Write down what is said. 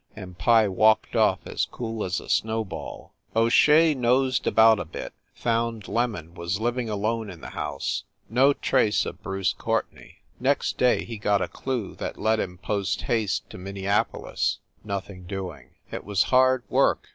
And Pye walked off as cool as a snowball. O Shea nosed about a bit; found "Lemon" was living alone in the house. No trace of Bruce Cour THE NORCROSS APARTMENTS 281 tenay. Next day he got a clue that led him post haste to Minneapolis. Nothing doing. It was hard work.